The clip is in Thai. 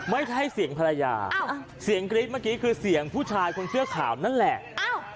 ไม่ใช่เสียงภรรยาเสียงกรี๊ดเมื่อกี้คือเสียงผู้ชายคนเสื้อขาวนั่นแหละ